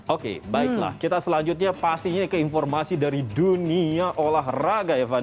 oke baiklah kita selanjutnya pastinya ke informasi dari dunia olahraga evan